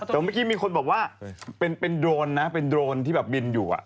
แต่เมื่อกี้มีคนบอกว่าเป็นโดรนนะเป็นโรนที่แบบบินอยู่